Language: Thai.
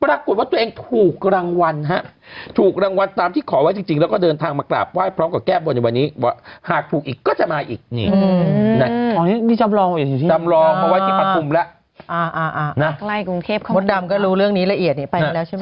อ่าอ่าอ่าอักไลกรุงเทพเข้ามานี่มดดำก็รู้เรื่องนี้ละเอียดเนี่ยไปแล้วใช่มั้ย